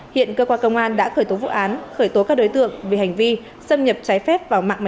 hiện cơ quan công an đã khởi tố vụ án khởi tố các đối tượng vì hành vi xâm nhập trái phép vào mạng